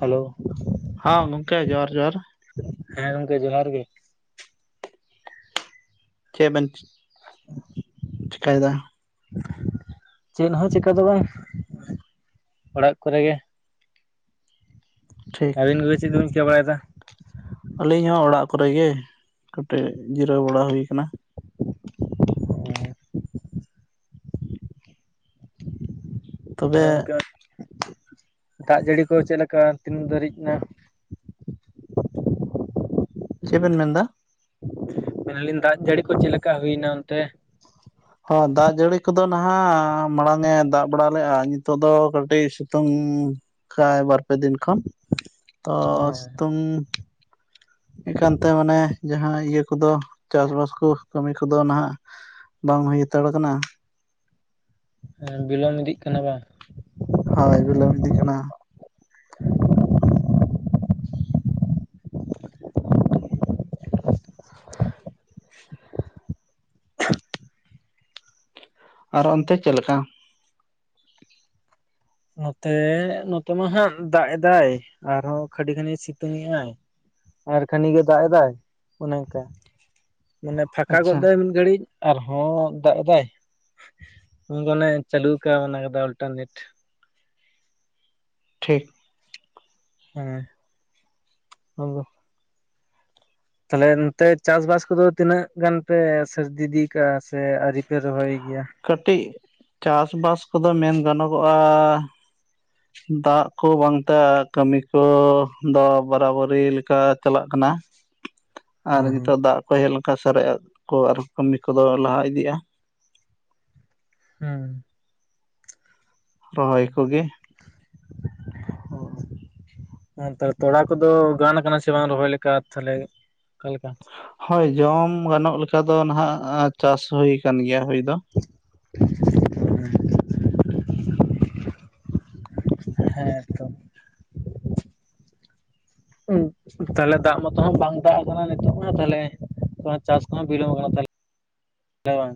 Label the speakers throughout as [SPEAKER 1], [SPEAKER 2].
[SPEAKER 1] Hello.
[SPEAKER 2] ᱦᱟ ᱜᱚᱢᱠᱮ ᱡᱚᱦᱟᱨ ᱡᱚᱦᱟᱨ᱾
[SPEAKER 1] ᱦᱮᱸ ᱜᱚᱢᱠᱮ ᱡᱚᱦᱟᱨ ᱜᱮ ᱾
[SPEAKER 2] ᱪᱮᱫ ᱵᱮᱱ ᱾ ᱪᱤᱠᱟᱭᱮᱫᱟ?
[SPEAKER 1] ᱪᱮᱫ ᱦᱚᱸ ᱪᱮᱠᱟ ᱫᱚ ᱵᱟᱝ ᱚᱲᱟᱜ ᱠᱚᱨᱮ ᱜᱮ᱾
[SPEAKER 2] ᱴᱷᱤᱠ
[SPEAKER 1] ᱟᱹᱵᱤᱱ ᱜᱮ ᱪᱮᱫ ᱠᱚ ᱵᱮᱱ ᱪᱤᱠᱟᱹ ᱵᱟᱲᱟᱭᱮᱫᱟ?
[SPEAKER 2] ᱟᱹᱞᱤᱧ ᱦᱚᱸ ᱚᱲᱟᱜ ᱠᱚᱨᱮ ᱜᱮ ᱠᱟᱹᱴᱤᱡ ᱡᱤᱨᱟᱹᱣ ᱵᱟᱲᱟ ᱦᱩᱭ ᱟᱠᱟᱱᱟ᱾ ᱛᱚᱵᱮ
[SPEAKER 1] ᱜᱚᱢᱠᱮ ᱫᱟᱜ ᱡᱟᱹᱲᱤ ᱠᱚ ᱪᱮᱫᱞᱮᱠᱟ ᱛᱤᱱ ᱫᱟᱹᱨᱤᱡ ᱮᱱᱟ?
[SPEAKER 2] ᱪᱮᱫ ᱵᱮᱱ ᱢᱮᱱ ᱮᱫᱟ?
[SPEAKER 1] ᱢᱮᱱᱫᱟ ᱞᱤᱧ ᱫᱟᱜ ᱡᱟᱹᱲᱤ ᱠᱚ ᱪᱮᱫ ᱞᱮᱠᱟ ᱦᱩᱭᱱᱟ ᱚᱱᱛᱮ?
[SPEAKER 2] ᱦᱚ ᱫᱟᱜ ᱡᱟᱹᱲᱤ ᱠᱚᱫᱚ ᱱᱟᱦᱟᱜ ᱢᱟᱲᱟᱝᱼ ᱮ ᱫᱟᱜ ᱵᱟᱲᱟ ᱞᱮᱫᱼᱟ ᱱᱤᱛᱚᱜ ᱫᱚ ᱠᱟᱹᱴᱤᱡ ᱥᱤᱛᱩᱝ᱾ ᱠᱟᱭ ᱵᱟᱨᱯᱮ ᱫᱤᱱ ᱠᱷᱚᱱ ᱛᱚ
[SPEAKER 1] ᱦᱚᱸ
[SPEAKER 2] ᱥᱤᱛᱩᱝ᱾ ᱮᱠᱷᱟᱱᱛᱮ ᱢᱟᱱᱮ ᱡᱟᱦᱟᱸ ᱤᱭᱟᱹ ᱠᱚᱫᱚ ᱪᱟᱥᱵᱟᱥ ᱠᱚ ᱠᱟᱹᱢᱤ ᱠᱚ᱾ ᱫᱚ ᱱᱟᱦᱟᱜ ᱵᱟᱝ ᱦᱩᱭ ᱦᱟᱛᱟᱲ ᱟᱠᱟᱱᱟ᱾
[SPEAKER 1] ᱦᱮᱸ ᱵᱤᱞᱚᱢ ᱤᱫᱤᱜ ᱠᱟᱱᱟ ᱵᱟᱝ?
[SPEAKER 2] ᱦᱳᱭ ᱵᱤᱞᱚᱢ ᱤᱫᱤᱜ ᱠᱟᱱᱟ᱾ ᱟᱨ ᱚᱱᱛᱮ ᱪᱮᱫ ᱞᱮᱠᱟ?
[SPEAKER 1] ᱱᱚᱛᱮ, ᱱᱚᱛᱮ ᱢᱟ ᱦᱟᱜ ᱫᱟᱜ ᱮᱫᱟᱭ ᱟᱨᱦᱚᱸ ᱠᱷᱟᱹᱰᱤ ᱠᱷᱟᱹᱱᱤ ᱥᱤᱛᱩᱝᱼᱮᱜ ᱟᱭ᱾ ᱟᱨ ᱠᱷᱟᱹᱱᱤ ᱜᱮ ᱫᱟᱜ ᱮᱫᱟᱭ ᱚᱱᱮ ᱚᱱᱠᱟ ᱢᱟᱱᱮ ᱯᱷᱟᱠᱟ ᱜᱚᱫ
[SPEAKER 2] ᱟᱪᱪᱷᱟ
[SPEAKER 1] ᱫᱟᱭ ᱢᱤᱫ ᱜᱷᱟᱹᱲᱤᱡ᱾ ᱟᱨ ᱦᱚᱸ ᱫᱟᱜ ᱫᱟᱭ ᱠᱟᱱᱮ ᱪᱟᱹᱞᱩᱣᱟᱠᱟᱜ ᱠᱟᱭ ᱚᱞᱴᱟᱨᱱᱮᱴ᱾
[SPEAKER 2] ᱴᱷᱤᱠ᱾
[SPEAKER 1] ᱦᱮᱸ᱾ ᱟᱵᱚ [unintelligible] ᱛᱟᱦᱚᱞᱮ ᱱᱚᱛᱮ ᱪᱟᱥ ᱵᱟᱥ ᱠᱚᱫᱚ ᱛᱤᱱᱟᱹᱜ ᱜᱟᱱ ᱯᱮ ᱥᱟᱹᱨᱫᱤ ᱤᱫᱤᱠᱟᱜᱼᱟ ᱥᱮ ᱟᱹᱨᱤ ᱯᱮ ᱨᱚᱦᱚᱭ ᱜᱮᱭᱟ?
[SPEAKER 2] ᱠᱟᱹᱴᱤᱡ ᱪᱟᱥ ᱵᱟᱥ ᱠᱚᱫᱚ ᱢᱮᱱ ᱜᱟᱱᱚᱜᱚᱜᱼᱟ᱾ ᱫᱟᱜ ᱠᱚ ᱵᱟᱝᱛᱮ ᱠᱟᱹᱢᱤ ᱠᱚ ᱫᱚ ᱵᱟᱨᱟᱵᱟᱹᱨᱤ ᱞᱮᱠᱟ ᱪᱟᱞᱟᱜ ᱠᱟᱱᱟ᱾ ᱟᱨ
[SPEAKER 1] ᱦᱮᱸ
[SPEAKER 2] ᱱᱤᱛᱳᱜ ᱫᱟᱜ ᱠᱚ ᱦᱮᱡ ᱞᱮᱱ ᱠᱷᱟᱱ ᱥᱟᱨᱮᱡ ᱠᱚ ᱟᱨ ᱠᱟᱹᱢᱤ ᱠᱚᱫᱚ ᱞᱟᱦᱟ ᱤᱫᱤᱜᱼᱟ᱾
[SPEAKER 1] ᱦᱩᱸ᱾
[SPEAKER 2] ᱨᱚᱦᱚᱭ ᱠᱚᱜᱮ
[SPEAKER 1] ᱦᱮ ᱛᱟᱦᱮ ᱛᱚᱲᱟ ᱠᱚᱫᱚ ᱜᱟᱱ ᱠᱟᱱᱟ ᱥᱮ ᱵᱟᱝ ᱨᱚᱦᱚᱭ ᱞᱮᱠᱟ ᱛᱟᱦᱞᱮ ᱚᱠᱟ ᱞᱮᱠᱟ?
[SPEAKER 2] ᱦᱳᱭ ᱡᱚᱢ ᱜᱟᱱᱚᱜ ᱞᱮᱠᱟ ᱫᱚ ᱱᱟᱦᱟᱜ ᱪᱟᱥ ᱦᱩᱭ ᱠᱟᱱ ᱜᱮᱭᱟ ᱦᱩᱭ ᱫᱚ᱾
[SPEAKER 1] ᱦᱮᱸᱻᱛᱚ ᱦᱸ ᱛᱟᱦᱚᱞᱮ ᱫᱟᱜ ᱢᱚᱛᱚ ᱦᱚᱸ ᱵᱟᱝ ᱫᱟᱜ ᱟᱠᱟᱱᱟ ᱱᱤᱛᱚᱜ ᱢᱟ ᱛᱟᱦᱞᱮᱼᱼ ᱪᱟᱥ ᱠᱷᱚᱱ ᱵᱤᱞᱚᱢ ᱠᱟᱱᱟ ᱛᱟᱦᱮ ᱛᱟᱦ ᱵᱟᱝ?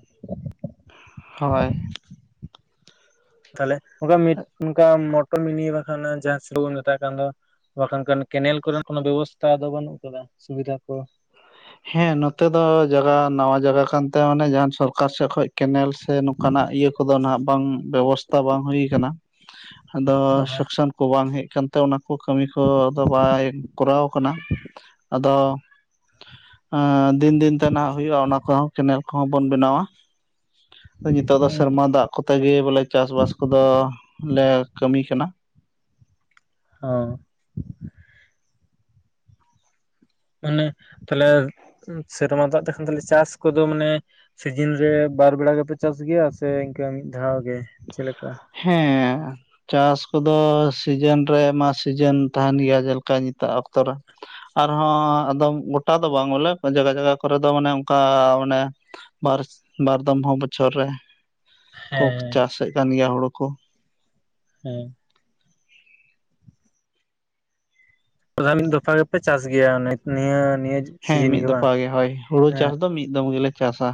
[SPEAKER 2] ᱦᱳᱭ,
[SPEAKER 1] ᱛᱟᱦᱞᱮ ᱚᱱᱠᱟ ᱚᱱᱠᱟ ᱢᱚᱴᱚᱨ ᱢᱤᱱᱤᱭ ᱵᱟᱠᱷᱟᱱ ᱡᱟᱦᱟᱸ ᱥᱟᱥ ᱵᱚᱱ ᱢᱮᱛᱟᱜ ᱠᱟᱱ ᱫᱚᱼᱼ ᱵᱟᱠᱷᱟᱱ ᱠᱮᱱᱮᱞ ᱠᱚᱨᱮ ᱠᱚᱱᱱ ᱵᱮᱵᱚᱥᱛᱷᱟ ᱫᱚ ᱵᱟᱹᱱᱩᱜ ᱟᱠᱟᱫᱟ ᱥᱩᱵᱤᱫᱷᱟ ᱠᱚᱼᱼ
[SPEAKER 2] ᱦᱮᱸ ᱱᱚᱛᱮ ᱫᱚ ᱡᱟᱜᱟ ᱱᱟᱣᱟ ᱡᱟᱭᱜᱟ ᱠᱟᱱ ᱛᱟᱭᱟ ᱢᱟᱱᱮ ᱡᱟᱦ ᱥᱚᱨᱠᱟᱨ ᱥᱮᱡ ᱠᱷᱚᱡᱼᱼ ᱠᱮᱱᱮᱞ ᱥᱮ ᱱᱚᱝ ᱠᱟᱱᱟᱜ ᱤᱭᱟᱹ ᱠᱚᱫᱚ ᱟᱜ ᱵᱟᱝ ᱵᱮᱵᱚᱥᱛᱷᱟ ᱵᱟᱝ ᱦᱩᱭ ᱠᱟᱱᱟ᱾ ᱟᱫᱚ ᱥᱩᱠᱥᱚᱱ ᱠᱚ ᱵᱟᱝ ᱦᱮᱡ ᱠᱟᱱ ᱛᱟᱦᱮᱱᱟᱼᱼ ᱛᱮ ᱚᱱᱟ ᱠᱚ ᱠᱟᱹᱢᱤ ᱠᱚ ᱟᱫᱚ ᱵᱟᱭ ᱠᱚᱨᱟᱣ ᱠᱟᱱᱟ ᱟᱫᱚᱼᱼ ᱟᱻ ᱫᱤᱱ ᱫᱤᱱ ᱛᱮ ᱱᱟᱦᱟᱜ ᱦᱩᱭᱩᱜᱼᱟ ᱚᱱᱟ ᱠᱚᱦᱚᱸ ᱠᱮᱱᱮᱞ ᱠᱚᱦᱚᱸ ᱵᱚᱱ ᱵᱮᱱᱟᱣᱟ᱾ ᱟᱫᱚ ᱱᱤᱛᱳᱜ ᱫᱚ ᱥᱮᱨᱢᱟ ᱫᱟᱜᱼᱼ ᱠᱚᱛᱮ ᱜᱮ ᱵᱚᱞᱮ ᱪᱟᱥ ᱵᱟᱥ ᱠᱚᱫᱚ ᱞᱮ ᱠᱟᱹᱢᱤ ᱠᱟᱱᱟ᱾
[SPEAKER 1] ᱦᱟᱸᱻ ᱢᱟᱱᱮ ᱛᱟᱦᱚᱞᱮ ᱥᱮᱨᱢᱟ ᱫᱟᱜ ᱛᱮ ᱠᱷᱟᱱ ᱪᱟᱥ ᱠᱚᱫᱚ ᱢᱟᱱᱮᱼᱼ ᱥᱤᱡᱤᱱ ᱨᱮ ᱵᱟᱨ ᱵᱮᱲᱟ ᱜᱮᱯᱮ ᱪᱟᱥ ᱜᱮᱭᱟ ᱥᱮ ᱤᱱᱠᱟᱹ ᱢᱤᱫ ᱫᱷᱟᱣ ᱜᱮ ᱪᱮᱞᱮᱠᱟ?
[SPEAKER 2] ᱦᱮᱸᱻ ᱪᱟᱥ ᱠᱚᱫᱚ ᱥᱤᱡᱮᱱ ᱨᱮ ᱢᱟ ᱥᱤᱡᱮᱱ ᱛᱟᱦᱮᱱ ᱜᱮᱭᱟ ᱡᱮᱞᱮᱠᱟ ᱱᱤᱛᱟᱜ ᱚᱠᱛᱚ ᱨᱮᱼᱼ ᱟᱨ ᱦᱚᱸ ᱟᱫᱚᱢ ᱜᱚᱴᱟ ᱫᱚ ᱵᱟᱝ ᱵᱚᱞᱮ ᱡᱟᱭᱜᱟ ᱡᱟᱭᱜᱟ ᱠᱚᱨᱮ ᱫᱚ ᱢᱟᱱᱮ ᱚᱱᱠᱟ ᱟᱱᱮᱼᱼ ᱵᱟᱨ, ᱵᱟᱨ ᱫᱚᱢ ᱦᱚᱸ ᱵᱚᱪᱷᱚᱨ ᱨᱮᱼᱼ ᱠᱚ
[SPEAKER 1] ᱦᱮᱸ
[SPEAKER 2] ᱪᱟᱥᱮᱫ ᱠᱟᱱ ᱜᱮᱭᱟ ᱦᱩᱲᱩ ᱠᱚ᱾
[SPEAKER 1] ᱦᱮᱸᱻ ᱚᱱᱟᱞᱤᱧ ᱫᱚᱯᱷᱟ ᱜᱮᱯᱮ ᱪᱟᱥ ᱜᱮᱭᱟ ᱱᱤᱭᱟᱹ ᱱᱤᱭᱟᱹᱼᱼ
[SPEAKER 2] ᱦᱮᱸ ᱢᱤᱫ ᱫᱚᱯᱷᱟ ᱜᱮ ᱦᱳᱭ, ᱦᱩᱲᱩ ᱪᱟᱥ ᱫᱚ ᱢᱤᱫ ᱫᱚᱢ ᱜᱮᱞᱮ ᱪᱟᱥᱟ᱾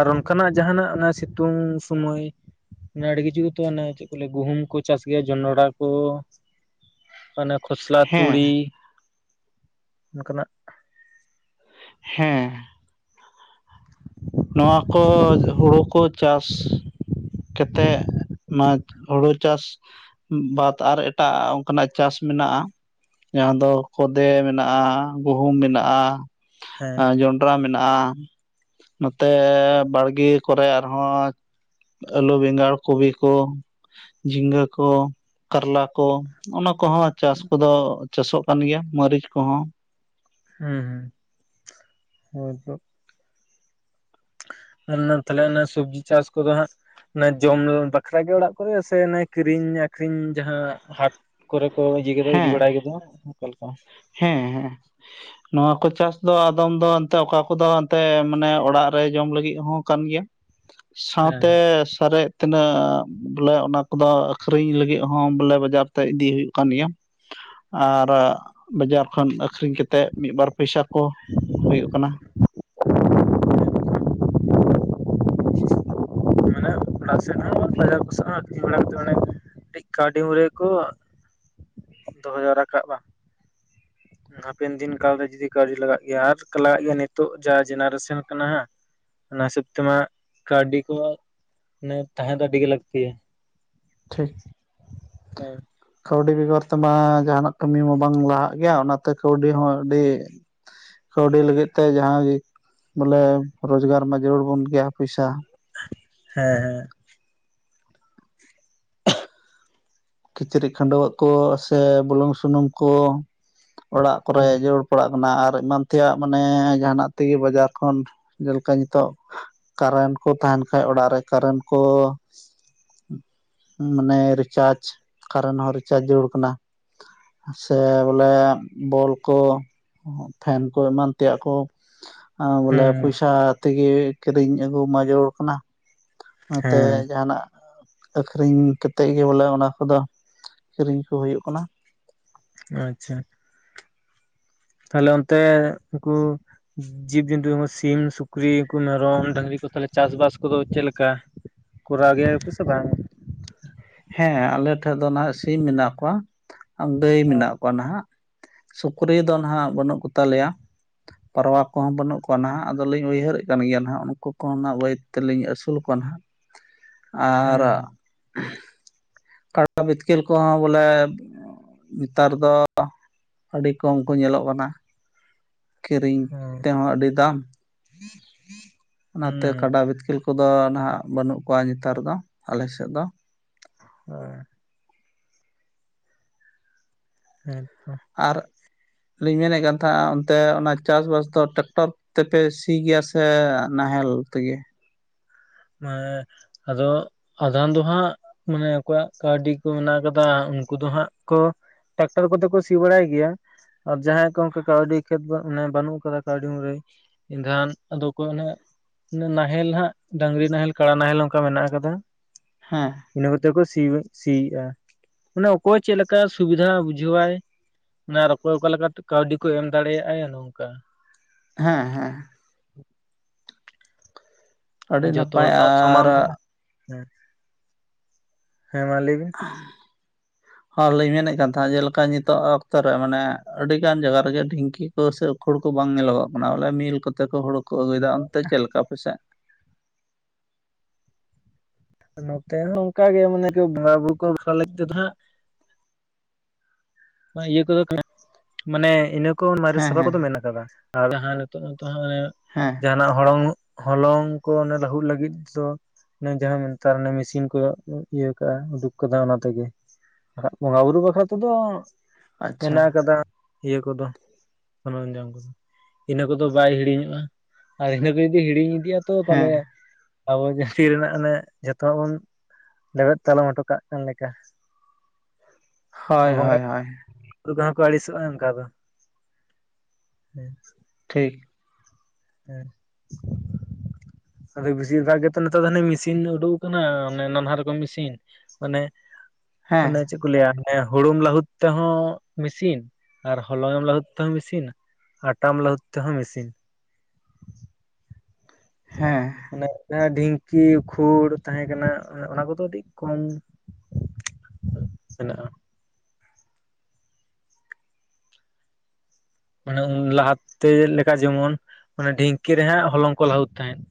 [SPEAKER 1] ᱟᱨ ᱚᱱᱠᱟᱱᱟᱜ ᱡᱟᱦᱱᱟᱜ ᱚᱱᱟ ᱥᱤᱛᱩᱝ ᱥᱚᱢᱚᱭ ᱟᱹᱰᱤ ᱠᱤᱪᱷᱩ ᱜᱮᱛᱚ ᱚᱱᱮ ᱪᱮᱫ ᱠᱚ ᱞᱟᱹᱭᱟ ᱜᱩᱦᱩᱢ ᱠᱚ ᱪᱟᱥ ᱜᱮᱭᱟ ᱡᱚᱱᱚᱰᱨᱟ ᱠᱚ᱾ ᱚᱱᱮ ᱠᱷᱚᱥᱞᱟ ᱛᱩᱲᱤ
[SPEAKER 2] ᱦᱮᱸ
[SPEAKER 1] ᱚᱱᱠᱟ ᱱᱟᱜ᱾
[SPEAKER 2] ᱦᱮᱸᱻ ᱱᱚᱣᱟ ᱠᱚ ᱦᱩᱲᱩ ᱠᱚ ᱪᱟᱥ ᱠᱮᱛᱮᱫ ᱢᱟ ᱦᱩᱲᱩ ᱪᱟᱥᱼᱼ ᱵᱟᱫ ᱟᱨ ᱮᱴᱟᱜᱼᱟ ᱚᱱᱠᱟᱱᱟᱜ ᱪᱟᱥ ᱢᱮᱱᱟᱜᱼᱟ᱾ ᱡᱟᱦᱟᱸ ᱫᱚ ᱠᱷᱫᱮ ᱢᱮᱱᱟᱜᱼᱟ ᱜᱩᱦᱩᱢ ᱢᱮᱱᱟᱜᱼᱟ
[SPEAKER 1] ᱦᱮᱸ
[SPEAKER 2] ᱡᱚᱱᱼᱼ ᱨᱟ ᱢᱮᱱᱟᱜᱼᱟ ᱱᱚᱛᱮ ᱵᱟᱲᱜᱮ ᱠᱚᱨᱮ ᱟᱨᱦᱚᱸᱼᱼ ᱟᱹᱞᱩ ᱵᱮᱸᱜᱟᱲ ᱠᱚᱵᱤ ᱠᱚ ᱡᱷᱤᱸᱜᱟᱹ ᱠᱚ ᱠᱟᱨᱞᱟ ᱠᱚᱼᱼ ᱚᱱᱟ ᱠᱚᱦᱚᱸ ᱪᱟᱥ ᱠᱚᱫᱚ ᱪᱟᱥᱚᱜ ᱠᱟᱱ ᱜᱮᱭᱟ ᱢᱟᱹᱨᱤᱪ ᱠᱩᱦᱚᱸᱼᱼ
[SPEAKER 1] ᱦᱩᱸ ᱦᱩᱸ ᱦᱛᱭ ᱛᱚᱼᱼ ᱛᱟᱦᱞᱮ ᱚᱱᱟ ᱥᱚᱵᱡᱤ ᱪᱟᱥ ᱠᱚᱫᱚ ᱦᱟᱸᱜ ᱚᱱᱟ ᱡᱚᱢ ᱵᱟᱠᱷᱟᱨ ᱜᱮ ᱚᱲᱟᱜ ᱠᱚᱨᱮ ᱥᱮ ᱠᱤᱨᱤᱧ ᱟᱠᱷᱨᱤᱧ ᱡᱟᱦᱟᱸ ᱦᱟᱴᱼᱼ ᱠᱚᱨᱮ ᱠᱚ ᱤᱭᱟᱹ ᱜ ᱤᱫᱤ
[SPEAKER 2] ᱦᱮᱸ
[SPEAKER 1] ᱵᱟᱲᱟᱭ ᱜᱚ ᱚᱱᱠᱟᱮ ᱞᱮᱠᱟ?
[SPEAKER 2] ᱦᱮᱸ ᱦᱮᱸ ᱱᱚᱣᱟ ᱠᱚ ᱪᱟᱥ ᱫᱚ ᱟᱫᱚᱢ ᱫᱚ ᱮᱱᱛᱮ ᱚᱠᱟ ᱠᱚᱫᱚ ᱮᱱᱛᱮ ᱢᱟᱱᱮ ᱚᱲᱟᱜ ᱨᱮ ᱡᱚᱢ ᱞᱟᱹᱜᱤᱫ ᱦᱚᱸ ᱠᱟᱱ ᱜᱮᱭᱟ᱾
[SPEAKER 1] ᱦᱮᱸ
[SPEAKER 2] ᱥᱟᱶᱛᱮ ᱥᱟᱨᱮᱡᱼᱼ ᱛᱤᱱᱟᱹᱜ ᱵᱚᱞᱮ ᱚᱱᱟ ᱠᱚᱫᱚ ᱟᱠᱷᱨᱤᱧ ᱞᱟᱹᱜᱤᱫ ᱦᱚᱸ ᱵᱚᱞᱮ ᱵᱟᱡᱟᱨ ᱛᱮ ᱤᱫᱤ ᱦᱩᱭᱩᱜ ᱠᱟᱱ ᱜᱮᱭᱟ ᱟᱨ ᱵᱟᱡᱟᱨ ᱠᱷᱚᱱ ᱟᱹᱠᱷᱨᱤᱧ ᱠᱟᱛᱮ ᱢᱤᱫᱼ ᱵᱟᱨ ᱯᱚᱭᱥᱟ ᱠᱚ ᱦᱩᱭᱩᱜ ᱠᱟᱱᱟ [inaudible]
[SPEAKER 1] ᱢᱟᱱᱮ ᱚᱲᱟᱜ ᱥᱮᱫ ᱦᱚᱸ ᱵᱟᱡᱟᱨ ᱠᱚ ᱥᱮᱫ ᱦᱚᱸ ᱟᱹᱠᱷᱨᱤᱧ ᱵᱟᱲᱟ ᱠᱟᱛᱮ ᱢᱟᱱᱮ ᱠᱟᱹᱴᱤᱡ ᱠᱟᱹᱣᱰᱤ ᱢᱩᱨᱟᱹᱭ ᱠᱚ ᱫᱚᱦᱚ ᱡᱟᱣᱨᱟᱠᱟᱜ ᱵᱟᱝ
[SPEAKER 2] [inaudible]
[SPEAKER 1] ᱦᱟᱯᱮᱱ ᱫᱤᱱ ᱠᱟᱞ ᱨᱮ ᱡᱩᱫᱤ ᱠᱟᱹᱣᱰᱤ ᱞᱟᱜᱟᱜ ᱜᱮᱭᱟ ᱟᱨ ᱞᱟᱜᱟᱜ ᱜᱮᱭᱟ ᱱᱤᱛᱚᱜ ᱡᱟ ᱡᱮᱱᱟᱨᱮᱥᱚᱱ ᱠᱟᱱᱟ ᱦᱟᱸᱜ ᱚᱱᱟ ᱦᱤᱥᱟᱹᱵ ᱛᱮᱢᱟ ᱠᱟᱹᱣᱰᱤ ᱠᱚ ᱢᱟᱱᱮ ᱛᱟᱦᱮᱸ ᱫᱚ ᱟᱹᱰᱤ ᱜᱮ ᱞᱟᱹᱠᱛᱤᱭᱟ
[SPEAKER 2] ᱴᱷᱤᱠ
[SPEAKER 1] ᱦᱮᱸ
[SPEAKER 2] ᱠᱟᱹᱣᱰᱤ ᱵᱮᱜᱚᱨ ᱛᱮᱢᱟ ᱡᱟᱦᱟᱱᱟᱜ ᱠᱟᱹᱢᱤ ᱢᱟ ᱵᱟᱝ ᱞᱟᱦᱟᱜ ᱜᱮᱭᱟ ᱚᱱᱟᱛᱮ ᱠᱟᱹᱣᱰᱤ ᱦᱚᱸ ᱟᱹᱰᱤ ᱠᱟᱹᱣᱰᱤ ᱞᱟᱹᱜᱤᱫ ᱛᱮ ᱡᱟᱦᱟᱸ ᱜᱮ ᱵᱚᱞᱮ ᱨᱚᱡᱽᱜᱟᱨ ᱢᱟ ᱡᱟᱹᱨᱩᱲ ᱵᱚᱱ ᱜᱮᱭᱟ ᱯᱚᱭᱥᱟ
[SPEAKER 1] ᱦᱮᱸ ᱦᱮᱸ
[SPEAKER 2] ᱠᱤᱪᱨᱤᱡ ᱠᱷᱟᱹᱰᱩᱣᱟᱹᱜ ᱠᱚ ᱥᱮ ᱵᱩᱞᱩᱝ ᱥᱩᱱᱩᱢ ᱠᱚ ᱚᱲᱟᱜ ᱠᱚᱨᱮ
[SPEAKER 1] ᱦᱮᱸ
[SPEAKER 2] ᱡᱚᱲ ᱯᱟᱲᱟᱜ ᱠᱟᱱᱟ ᱟᱨ ᱮᱢᱟᱱ ᱛᱮᱭᱟᱜ ᱢᱟᱱᱮ ᱡᱟᱦᱟᱱᱟᱜ ᱛᱮᱜᱮ ᱵᱟᱡᱟᱨ ᱠᱷᱚᱱ ᱡᱮᱞᱮᱠᱟ ᱱᱤᱛᱚᱜ ᱠᱟᱨᱮᱱᱴ ᱠᱚ ᱛᱟᱦᱮᱱ ᱠᱷᱟᱡ ᱚᱲᱟᱜ ᱨᱮ ᱠᱟᱨᱮᱱᱴ ᱠᱚ ᱢᱟᱱᱮ ᱨᱤᱪᱟᱨᱡᱽ ᱠᱟᱨᱮᱱ ᱦᱚᱸ ᱨᱤᱪᱟᱨᱡ ᱡᱟᱹᱨᱩᱲ ᱠᱟᱱᱟ ᱥᱮ ᱵᱚᱞᱮ ᱵᱚᱞ ᱠᱚ ᱯᱷᱮᱱ ᱠᱚ ᱮᱢᱟᱱ ᱛᱮᱭᱟᱜ ᱠᱚ ᱵᱚᱞᱮ
[SPEAKER 1] ᱦᱮᱸ
[SPEAKER 2] ᱯᱚᱭᱥᱟ ᱛᱮᱜᱮ ᱠᱤᱨᱤᱧ ᱟᱹᱜᱩ ᱢᱟ ᱡᱟᱹᱨᱩᱲ ᱠᱟᱱᱟ ᱱᱚᱛᱮ ᱡᱟᱦᱟᱱᱟᱜ ᱟᱠᱷᱨᱤᱧ ᱠᱟᱛᱮᱫ ᱜᱮ ᱵᱚᱞᱮ ᱚᱱᱟ ᱠᱚᱫᱚ ᱠᱤᱨᱤᱧ ᱠᱚ ᱦᱩᱭᱩᱜ ᱠᱟᱱᱟ
[SPEAKER 1] ᱟᱪᱪᱷᱟ ᱛᱟᱦᱞᱮ ᱚᱱᱛᱮ ᱩᱱᱠᱩ ᱡᱤᱵᱽᱡᱚᱱᱛᱩ ᱥᱤᱢ ᱥᱩᱠᱨᱤ ᱢᱮᱨᱚᱢ ᱰᱟᱝᱨᱤ ᱠᱚ ᱛᱟᱦᱚᱞᱮ ᱪᱟᱥᱵᱟᱥ ᱠᱚᱫᱚ ᱪᱮᱫᱞᱮᱠᱟ ᱠᱚᱨᱟᱣ ᱜᱮᱭᱟ ᱠᱚ ᱥᱮ ᱵᱟᱝ?
[SPEAKER 2] ᱦᱮᱸ ᱟᱞᱮ ᱴᱷᱮᱡ ᱫᱚ ᱱᱟᱦᱟᱜ ᱥᱤᱢ ᱢᱮᱱᱟᱜ ᱠᱚᱣᱟ ᱜᱟᱹᱭ
[SPEAKER 1] ᱦᱚᱸ
[SPEAKER 2] ᱢᱮᱱᱟᱜ ᱠᱚᱣᱟ ᱱᱟᱦᱟᱜ ᱥᱩᱠᱨᱤ ᱫᱚ ᱱᱟᱦᱟᱜ ᱵᱟᱹᱱᱩᱜ ᱠᱚ ᱛᱟᱞᱮᱭᱟ ᱯᱟᱨᱣᱟ ᱠᱚᱦᱚᱸ ᱵᱟᱹᱱᱩᱜ ᱠᱚᱣᱟ ᱱᱟᱜ ᱟᱫᱚᱞᱤᱧ ᱩᱭᱦᱟᱹᱨᱮᱫ ᱠᱟᱱ ᱜᱮᱭᱟ ᱦᱟᱸᱜ ᱩᱱᱠᱩ ᱠᱚᱦᱱᱟᱜ ᱵᱟᱹᱭ ᱛᱮᱞᱤᱧ ᱟᱹᱥᱩᱞ ᱠᱚᱣᱟ ᱱᱟᱸᱜ ᱟᱨ
[SPEAKER 1] ᱦᱩᱸ
[SPEAKER 2] ᱠᱟᱰᱟ ᱵᱤᱛᱠᱮᱞ ᱠᱚ ᱦᱚᱸ ᱵᱚᱞᱮ ᱱᱮᱛᱟᱨ ᱫᱚ ᱟᱹᱰᱤ ᱠᱚᱢ ᱠᱚ ᱧᱮᱞᱚᱜ ᱠᱟᱱᱟ ᱠᱤᱨᱤᱧ
[SPEAKER 1] ᱦᱩᱸ
[SPEAKER 2] ᱛᱮᱦᱚᱸ ᱟᱹᱰᱤ ᱫᱟᱢ ᱚᱱᱟᱛᱮ
[SPEAKER 1] ᱦᱩᱸ
[SPEAKER 2] ᱠᱟᱰᱟ ᱵᱤᱛᱠᱤᱞ ᱠᱚ ᱠᱚᱫᱚ ᱱᱟᱦᱟᱜ ᱵᱟᱹᱱᱩᱜ ᱠᱚᱣᱟ ᱱᱮᱛᱟᱨ ᱫᱚ ᱟᱞᱮᱥᱮᱫ ᱫᱚ
[SPEAKER 1] ᱦᱳᱭ ᱦᱮᱸᱛᱚ
[SPEAKER 2] ᱟᱨ ᱞᱤᱧ ᱢᱮᱱᱮᱫ ᱠᱟᱱ ᱛᱟᱦᱮᱱᱟ ᱚᱱᱛᱮ ᱚᱱᱟ ᱪᱟᱥᱵᱟᱥ ᱫᱚ ᱴᱨᱟᱠᱴᱚᱨ ᱛᱮᱯᱮ ᱥᱤ ᱜᱮᱭᱟ ᱥᱮ ᱱᱟᱦᱮᱞ ᱛᱮᱜᱮ?
[SPEAKER 1] ᱦᱮ ᱟᱫᱚ ᱟᱫᱷᱟᱱ ᱫᱚᱦᱟᱸᱜ ᱢᱟᱱᱮ ᱟᱠᱚᱭᱟᱜ ᱠᱟᱹᱣᱰᱤ ᱠᱚ ᱢᱮᱱᱟᱜ ᱠᱟᱫᱟ ᱩᱱᱠᱩ ᱫᱚ ᱦᱟᱸᱜ ᱠᱚ ᱴᱨᱟᱠᱴᱟᱨ ᱠᱚᱛᱮ ᱠᱚ ᱥᱤ ᱵᱟᱲᱟᱭ ᱜᱮᱭᱟ ᱟᱨ ᱡᱟᱦᱟᱸᱭ ᱠᱚ ᱚᱱᱠᱟ ᱠᱟᱹᱣᱰᱤ ᱠᱷᱮᱛ ᱢᱟᱱᱮ ᱵᱟᱹᱱᱩᱜ ᱟᱠᱟᱫᱟ ᱠᱟᱹᱣᱰᱤ ᱢᱩᱨᱟᱹᱭ ᱮᱱᱠᱷᱟᱱ ᱟᱫᱚ ᱠᱚ ᱱᱟᱦᱮᱞ ᱦᱟᱸᱜ ᱰᱟᱝᱨᱤ ᱱᱟᱦᱮᱞ ᱠᱟᱲᱟ ᱱᱟᱦᱮᱞ ᱚᱱᱠᱟ ᱢᱮᱱᱟᱜ ᱟᱠᱟᱫᱟ
[SPEAKER 2] ᱦᱮᱸ
[SPEAKER 1] ᱤᱱᱟᱹ ᱠᱚᱛᱮ ᱠᱚ ᱥᱤ ᱥᱤᱭᱮᱫᱼᱟ ᱢᱟᱱᱮ ᱚᱠᱚᱭ ᱪᱮᱫ ᱞᱮᱠᱟ ᱥᱩᱵᱤᱫᱷᱟ ᱵᱩᱡᱷᱟᱹᱣᱟᱭ ᱚᱱᱟ ᱚᱠᱚᱭ ᱚᱠᱟ ᱞᱮᱠᱟᱛᱮ ᱠᱟᱹᱣᱰᱤ ᱠᱚ ᱮᱢ ᱫᱟᱲᱮᱭᱟᱜᱼᱟ ᱱᱚᱝᱠᱟ᱾
[SPEAKER 2] ᱦᱮᱸ ᱦᱮᱸ᱾ ᱟᱹᱰᱤ
[SPEAKER 1] ᱟᱨ ᱡᱚᱛᱚ
[SPEAKER 2] ᱱᱟᱯᱟᱭ
[SPEAKER 1] ᱦᱚᱲ ᱛᱚ ᱥᱟᱚᱢᱟᱱ
[SPEAKER 2] ᱟᱨ
[SPEAKER 1] ᱫᱚ ᱦᱮᱸ᱾ ᱦᱮᱸ ᱢᱟ ᱞᱟᱹᱭ ᱵᱤᱱ᱾
[SPEAKER 2] [unintelligible] ᱦᱚᱸ ᱞᱤᱧ ᱢᱮᱱᱮᱫ ᱠᱟᱱ ᱛᱟᱦᱮᱸᱫ ᱡᱮᱞᱮᱠᱟ ᱱᱤᱛᱚᱜ ᱚᱠᱛᱚ ᱨᱮ ᱢᱟᱱᱮ ᱟᱹᱰᱤ ᱜᱟᱱ ᱡᱟᱭᱜᱟ ᱨᱮᱜᱮ ᱰᱷᱤᱝᱠᱤ᱾ ᱦᱟᱹᱨ ᱥᱮ ᱩᱠᱦᱳᱲ ᱠᱚ ᱵᱟᱝ ᱧᱮᱞᱚᱜᱚᱜ ᱠᱟᱱᱟ ᱵᱚᱞᱮ ᱢᱤᱞ ᱠᱚᱛᱮ ᱠᱚ ᱦᱳᱲᱩ ᱠᱚ ᱟᱹᱜᱩᱭᱮᱫᱟ᱾ ᱚᱱᱛᱮ ᱪᱮᱫ ᱞᱮᱠᱟ ᱯᱮᱥᱮᱡ?
[SPEAKER 1] ᱱᱚᱛᱮ ᱦᱚᱸ ᱚᱱᱠᱟᱜ ᱜᱮ ᱢᱟᱱᱮ ᱵᱷᱟᱲᱟ ᱵᱩᱨᱩ ᱠᱚ ᱵᱷᱟᱞᱤ ᱞᱟᱹᱜᱤᱫ ᱛᱮᱫᱚ ᱦᱟᱸᱜ᱾ ᱤᱭᱟᱹ ᱠᱚᱫᱚ ᱢᱟᱱᱮ ᱤᱱᱟᱹ ᱠᱚ ᱢᱟᱨᱮ
[SPEAKER 2] ᱦᱮᱸ
[SPEAKER 1] ᱥᱟᱯᱷᱟ
[SPEAKER 2] ᱦᱮᱸ
[SPEAKER 1] ᱠᱚᱫᱚ ᱢᱮᱱ ᱟᱠᱟᱫᱟ᱾ ᱡᱟᱦᱟᱸᱱᱮᱛᱚᱜ ᱱᱮᱛᱚᱜ ᱦᱟᱸᱜ᱾
[SPEAKER 2] ᱦᱮᱸ᱾
[SPEAKER 1] ᱡᱟᱦᱱᱟᱜ ᱦᱚᱞᱚᱝ ᱦᱚᱞᱚᱝ ᱠᱚ ᱚᱱᱮ ᱞᱟᱹᱦᱩᱫ ᱞᱟᱹᱜᱤᱫ ᱫᱚ᱾ ᱚᱱ ᱡᱟᱦᱟᱸ ᱢᱮᱱᱛᱟᱨ ᱢᱮᱥᱤᱱ ᱠᱚ ᱤᱭᱟᱹ ᱠᱟᱜᱼᱟ ᱩᱰᱩᱠ ᱠᱟᱫᱟ ᱚᱱᱟ ᱛᱮᱜᱮ᱾ ᱵᱟᱠᱟᱜ ᱵᱚᱸᱜᱟ ᱵᱩᱨᱩ ᱵᱟᱠᱷᱨᱟ ᱛᱮᱫᱚ᱾
[SPEAKER 2] ᱟᱪᱪᱷᱟ
[SPEAKER 1] ᱢᱮᱱᱟᱜ ᱟᱠᱟᱫᱟ ᱤᱭᱟᱹ ᱠᱚᱫᱚ ᱥᱚᱨᱢ ᱡᱟᱢ ᱠᱚᱫᱚ᱾ ᱤᱱᱟᱹ ᱠᱚᱫᱚ ᱵᱟᱭ ᱦᱤᱲᱤᱧᱚᱜᱼᱟ ᱟᱨ ᱤᱱᱟᱹ ᱠᱚ ᱡᱩᱫᱤ ᱦᱤᱲᱤᱧ ᱤᱫᱤᱜᱼᱟ ᱛᱚ ᱛᱟᱦᱞᱮ᱾
[SPEAKER 2] ᱦᱮᱸ
[SPEAKER 1] ᱟᱵᱚ ᱡᱟᱦᱟᱸᱛᱤ ᱨᱮᱱᱦᱟᱜ ᱚᱱᱮ ᱡᱷᱚᱛᱚᱣᱟᱜ ᱵᱚᱱ ᱞᱮᱵᱮᱫ ᱛᱟᱞᱚᱢ ᱚᱴᱚ ᱠᱟᱜ ᱠᱟᱱ ᱞᱮᱠᱟ᱾
[SPEAKER 2] ᱦᱳᱭ ᱦᱳᱭ ᱦᱳᱭ᱾
[SPEAKER 1] ᱩᱱᱠᱩ ᱠᱚᱦᱚᱸ ᱠᱚ ᱟᱹᱲᱤᱥᱚᱜᱼᱟ ᱚᱱᱠᱟ ᱫᱚ ᱦᱮᱸ᱾
[SPEAKER 2] ᱴᱷᱤᱠ᱾
[SPEAKER 1] [unintelligible] ᱟᱫᱚ ᱵᱤᱥᱤᱨ ᱵᱷᱟᱜᱽ ᱜᱮᱛᱚ ᱱᱮᱛᱟᱨ ᱫᱚ ᱢᱮᱥᱤᱱ ᱩᱰᱩᱠ ᱟᱠᱟᱱᱟ ᱮ ᱱᱟᱱᱦᱟ ᱨᱚᱠᱚᱢ ᱢᱮᱥᱤᱱ᱾ ᱚᱱᱮ
[SPEAKER 2] ᱦᱮᱸ
[SPEAKER 1] ᱚᱱᱮ ᱪᱮᱫ? ᱠᱩᱞ ᱞᱟᱹᱭᱟ ᱚᱱᱮ ᱦᱩᱲᱩᱢ ᱞᱟᱹᱦᱩᱫ ᱛᱮᱦᱚᱸ ᱢᱮᱤᱥᱤᱱ ᱟᱨ ᱦᱚᱞᱚᱝ ᱮᱢ ᱞᱟᱹᱦᱩᱫ ᱛᱮᱦᱚᱸ ᱢᱤᱥᱤᱱ ᱟᱴᱟᱢ ᱞᱟᱹᱦᱩᱫ ᱛᱮᱦᱚᱸ ᱢᱮᱥᱤᱱ᱾
[SPEAKER 2] ᱦᱮᱸ᱾
[SPEAKER 1] ᱢᱟᱱᱮ ᱡᱟᱦᱟᱸ ᱰᱷᱤᱝᱠᱤ ᱩᱠᱦᱩᱲ ᱛᱟᱦᱮᱸ ᱠᱟᱱᱟ ᱚᱱᱟ ᱠᱚᱫᱚ ᱟᱹᱰᱤ ᱠᱚᱢ᱾ ᱥᱮᱱᱚᱼᱟ᱾ ᱢᱟᱱᱮ ᱞᱟᱦᱟᱛᱮ ᱞᱮᱠᱟ ᱡᱮᱢᱚᱱ ᱢᱟᱱᱮ ᱰᱷᱤᱝᱠᱤ ᱨᱮᱦᱟᱸᱜ ᱦᱚᱞᱚᱝ ᱠᱚ ᱞᱟᱦᱩᱫ ᱛᱟᱦᱮᱸᱫ᱾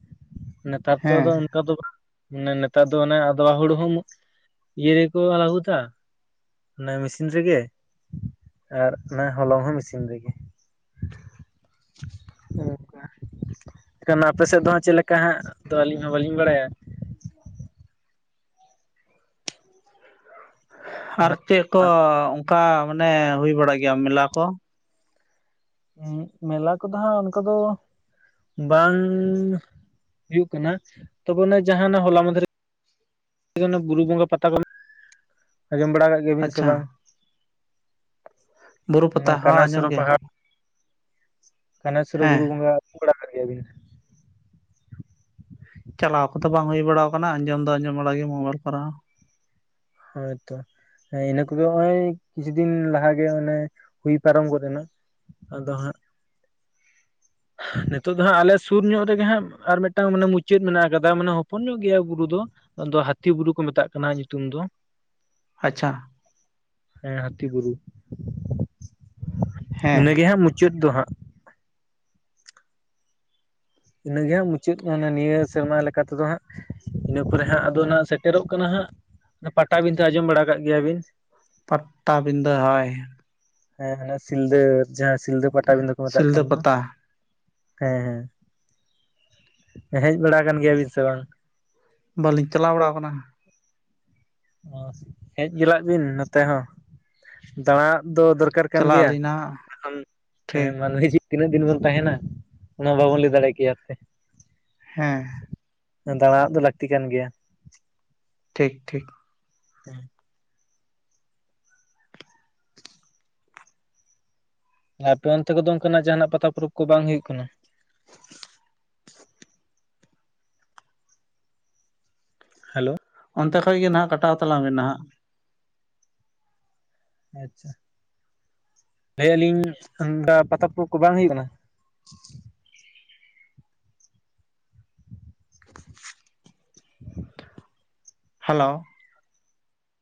[SPEAKER 1] ᱱᱮᱛᱟᱨ ᱛᱚ
[SPEAKER 2] ᱦᱮᱸ
[SPEAKER 1] ᱟᱫᱚ ᱚᱱᱠᱟ ᱫᱚ ᱵᱟᱝ᱾ ᱢᱟᱱᱮ ᱱᱮᱛᱟᱨ ᱫᱚ ᱚᱱᱮ ᱟᱫᱣᱟ ᱦᱩᱲᱩ ᱦᱚᱸᱢ ᱤᱭᱟᱹ ᱨᱮᱠᱚ ᱞᱟᱦᱩᱫᱟ᱾ ᱢᱟᱱᱮ ᱢᱮᱥᱤᱱ ᱨᱮᱜᱮ ᱟᱨ ᱚᱱᱟ ᱦᱚᱞᱚᱝ ᱦᱚᱸ ᱢᱮᱥᱤᱱ ᱨᱮᱜᱮ᱾ ᱟᱯᱮ ᱥᱮᱫ ᱫᱚ ᱪᱮᱫᱞᱮᱠᱟ ᱦᱟᱸᱜ ᱛᱚ ᱟᱹᱞᱤᱧ ᱦᱚᱸ ᱵᱟᱹᱞᱤᱧ ᱵᱟᱲᱟᱭᱟ᱾
[SPEAKER 2] [unintelligible] ᱟᱨ
[SPEAKER 1] ᱢᱟᱱᱮ
[SPEAKER 2] ᱪᱮᱫ ᱠᱚ? ᱚᱱᱠᱟ ᱢᱟᱱᱮ ᱦᱩᱭ ᱵᱟᱲᱟᱜ ᱜᱮᱭᱟ ᱢᱮᱞᱟ ᱠᱚ?
[SPEAKER 1] ᱦᱩᱸ ᱢᱮᱞᱟ ᱠᱚᱫᱚ ᱦᱟᱸᱜ ᱚᱱᱠᱟ ᱫᱚ᱾ ᱵᱟᱝ ᱦᱩᱭᱩᱜ ᱠᱟᱱᱟ ᱛᱚᱵᱮ ᱡᱟᱦᱟᱸᱱᱟᱜ ᱦᱚᱞᱟ ᱢᱟᱦᱫᱷᱮᱨ᱾ ᱵᱩᱨᱩ ᱵᱚᱸᱜᱟ ᱯᱟᱛᱟ ᱠᱚ ᱟᱸᱡᱚᱢ ᱵᱟᱲᱟ ᱠᱟᱜ ᱜᱮᱭᱟᱵᱤᱱ ᱥᱮ
[SPEAKER 2] ᱟᱪᱪᱷᱟ
[SPEAKER 1] ᱵᱟᱝ?
[SPEAKER 2] ᱵᱩᱨᱩ
[SPEAKER 1] ᱢᱟᱱᱮ
[SPEAKER 2] ᱯᱟᱛᱟ ᱦᱚᱸ
[SPEAKER 1] ᱠᱟᱱᱦᱟᱭ
[SPEAKER 2] ᱟᱸᱡᱚᱢ
[SPEAKER 1] ᱥᱚᱨᱚ
[SPEAKER 2] ᱜᱮ
[SPEAKER 1] ᱯᱟᱦᱟᱲ᱾ ᱠᱟᱱᱦᱟᱹᱭ ᱥᱩᱨᱩ
[SPEAKER 2] ᱦᱮᱸ
[SPEAKER 1] ᱵᱩᱨᱩ ᱵᱚᱸᱜᱟ ᱟᱸᱡᱚᱢ ᱵᱟᱲᱟ ᱟᱠᱟᱫ ᱜᱮᱭᱟ ᱵᱤᱱ᱾
[SPEAKER 2] ᱪᱟᱞᱟᱣ ᱠᱚᱫᱚ ᱵᱟᱝ ᱦᱩᱭ ᱵᱟᱲᱟ ᱟᱠᱟᱱᱟ ᱟᱸᱡᱚᱢ ᱫᱚ ᱟᱸᱡᱚᱢ ᱵᱟᱲᱟᱜ ᱜᱮ ᱢᱳᱵᱟᱭᱤᱞ ᱠᱚᱨᱮ ᱦᱸ᱾
[SPEAKER 1] ᱦᱳᱭ ᱛᱚ᱾ ᱤᱱᱟᱹ ᱠᱚᱫᱚ ᱱᱚᱜᱭ ᱠᱤᱪᱷᱩ ᱫᱤᱱ ᱞᱟᱦᱟᱜᱮ ᱚᱱᱮ ᱦᱩᱭ ᱯᱟᱨᱚᱢ ᱜᱚᱫ ᱮᱱᱟ᱾ ᱟᱫᱚ ᱦᱟᱸᱜ᱾ ᱱᱤᱛᱚᱜ ᱫᱚ ᱦᱟᱸᱜ ᱟᱞᱮ ᱥᱩᱨ ᱧᱚᱜ ᱨᱮᱜᱮ ᱦᱟᱸᱜ ᱟᱨ ᱢᱤᱫᱴᱟᱝ ᱢᱟᱱᱮ ᱢᱩᱪᱟᱹᱫ ᱢᱮᱱᱟᱜ ᱟᱠᱟᱫᱟ ᱢᱟᱱᱮ ᱦᱚᱯᱚᱱ ᱧᱚᱜ ᱜᱮᱭᱟ ᱵᱩᱨᱩ ᱫᱚ᱾ ᱟᱫᱚ ᱦᱟᱹᱛᱤ ᱵᱩᱨᱩ ᱠᱚ ᱢᱮᱛᱟᱜ ᱠᱟᱱᱟ ᱧᱩᱛᱩᱢ ᱫᱚ᱾
[SPEAKER 2] ᱟᱪᱪᱷᱟ
[SPEAKER 1] ᱦᱮᱸ ᱦᱟᱹᱛᱤ ᱵᱩᱨᱩ
[SPEAKER 2] ᱦᱮᱸ
[SPEAKER 1] ᱤᱱᱟᱹᱜᱮ ᱦᱟᱸᱜ ᱢᱩᱪᱟᱹᱫ ᱫᱚ ᱦᱟᱸᱜ᱾ ᱤᱱᱟᱹᱜᱮ ᱦᱟᱸᱜ ᱢᱩᱪᱟᱹᱫ, ᱢᱟᱱᱮ ᱱᱤᱭᱟᱹ ᱥᱮᱨᱢᱟ ᱞᱮᱠᱟ ᱛᱮᱫᱚ ᱦᱟᱸᱜ। ᱤᱱᱟᱹ ᱯᱚᱨᱮ ᱦᱟᱸᱜ ᱟᱫᱚ ᱱᱟᱜ ᱥᱮᱴᱮᱨᱚᱜ ᱠᱟᱱᱟ ᱦᱟᱸᱜ ᱯᱟᱴᱟᱵᱤᱸᱫᱟᱹ ᱟᱸᱡᱚᱢ ᱵᱟᱲᱟ ᱠᱟᱜ ᱜᱮᱭᱟ ᱵᱤᱱ?
[SPEAKER 2] ᱯᱟᱴᱴᱟᱵᱤᱸᱫᱟᱹ ᱦᱚᱭ᱾
[SPEAKER 1] ᱦᱮᱸ ᱦᱟᱱᱮ ᱥᱤᱞᱫᱟᱹ ᱡᱟᱦᱟᱸ ᱥᱤᱞᱫᱟᱹ ᱯᱟᱴᱟᱵᱤᱸᱫᱟᱹ ᱠᱚ ᱢᱮᱛᱟᱜ
[SPEAKER 2] ᱥᱤᱞᱫᱟᱹ
[SPEAKER 1] ᱠᱟᱱ ᱫᱚ᱾
[SPEAKER 2] ᱯᱟᱛᱟ
[SPEAKER 1] ᱦᱮᱸ ᱦᱮᱸ ᱮ ᱦᱮᱡ ᱵᱟᱲᱟ ᱠᱟᱱ ᱜᱮᱭᱟ ᱵᱤᱱ ᱥᱮ ᱵᱟᱝ?
[SPEAKER 2] ᱵᱟᱹᱞᱤᱧ ᱪᱟᱞᱟᱣ ᱵᱟᱲᱟ ᱠᱟᱱᱟ᱾
[SPEAKER 1] ᱚ ᱦᱮᱡ ᱜᱮᱟᱞᱟᱜ ᱵᱤᱱ ᱱᱚᱛᱮ ᱦᱚᱸ ᱫᱟᱬᱟ ᱫᱚ ᱫᱚᱨᱠᱟᱨ ᱠᱟᱱ
[SPEAKER 2] ᱪᱟᱞᱟᱜ
[SPEAKER 1] ᱜᱮᱭᱟ,
[SPEAKER 2] ᱟᱹᱞᱤᱧ ᱱᱟᱦᱟᱜ
[SPEAKER 1] ᱮᱠᱷᱚᱱ ᱦᱮᱸ
[SPEAKER 2] ᱴᱷᱤᱠ
[SPEAKER 1] ᱢᱟᱹᱱᱢᱤ ᱡᱤ ᱛᱤᱱᱟᱹᱜ ᱫᱤᱱ ᱵᱚᱱ ᱛᱟᱦᱮᱱᱟ, ᱚᱱᱟ ᱵᱟᱵᱚᱱ ᱞᱟᱹᱭ ᱫᱟᱲᱮ ᱠᱮᱭᱟ ᱥᱮ᱾
[SPEAKER 2] ᱦᱮᱸ
[SPEAKER 1] ᱫᱟᱬᱟ ᱣᱟᱜᱜ ᱫᱚ ᱞᱟᱹᱠᱛᱤ ᱠᱟᱱ ᱜᱮᱭᱟ᱾
[SPEAKER 2] ᱴᱷᱤᱠ ᱴᱷᱤᱠ᱾
[SPEAKER 1] [inaudible] ᱟᱯᱮ ᱚᱱᱛᱮ ᱠᱚᱫᱚ ᱚᱝᱠᱟᱱᱟᱜ ᱡᱟᱦᱟᱱᱟᱜ ᱯᱟᱛᱟ ᱯᱚᱨᱚᱵᱽ ᱠᱚ ᱵᱟᱝ ᱦᱩᱭᱩᱜ ᱠᱟᱱᱟ? ᱦᱮᱞᱳ᱾
[SPEAKER 2] ᱚᱱᱛᱮ ᱠᱷᱚᱡ ᱜᱮ ᱱᱟᱦᱟᱜ ᱠᱟᱴᱟᱣ ᱛᱟᱞᱟᱝ ᱢᱮ ᱱᱟᱦᱟᱜ᱾
[SPEAKER 1] ᱟᱪᱪᱷᱟ, ᱞᱟᱹᱭᱮᱜ ᱟᱞᱤᱧ [inaudible] ᱯᱟᱛᱟ ᱯᱚᱨᱚᱵᱽ ᱠᱚ ᱵᱟᱝ ᱦᱩᱭᱩᱜ ᱠᱟᱱᱟ?
[SPEAKER 2] ᱦᱟᱞᱳ᱾